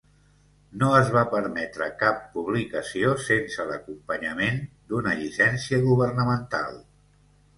No es va permetre cap publicació sense l'acompanyament d'una llicència governamental.